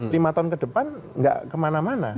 lima tahun ke depan nggak kemana mana